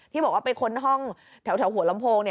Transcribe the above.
ที่บอกว่าไปค้นห้องแถวหัวลำโพง